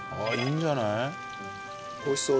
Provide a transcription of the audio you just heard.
ああいいんじゃない？